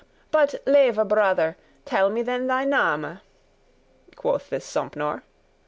But, leve brother, tell me then thy name," Quoth this Sompnour.